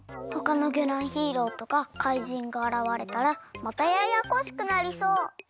ほかのぎょらんヒーローとか怪人があらわれたらまたややこしくなりそう。